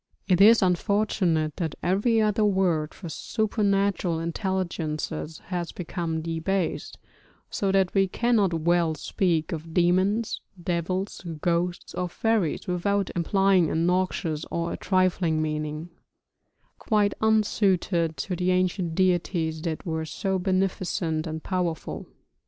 It is unfortunate that every other word for supernatural intelligences has become debased, so that we cannot well speak of demons, devils, ghosts, or fairies without implying a noxious or a trifling meaning, quite unsuited to the ancient deities that were so beneficent and powerful.